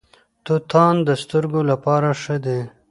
توتان د سترګو لپاره ښه دي.